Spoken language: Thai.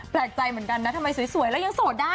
แปลกใจเหมือนกันนะทำไมสวยแล้วยังโสดได้